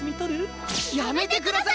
やめてください主任！